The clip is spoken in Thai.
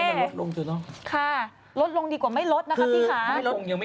ลดลงจริงค่ะลดลงดีกว่าไม่ลดนะคะพี่ค่ะ